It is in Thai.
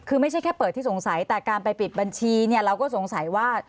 คือไม่ใช่แค่เปิดที่สงสัยแต่การไปปิดบัญชีเนี่ยเราก็สงสัยว่า